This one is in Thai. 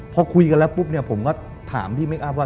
พอคุยกันแล้วปุ๊บเนี่ยผมก็ถามพี่เมคอัพว่า